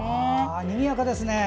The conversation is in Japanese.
にぎやかですね。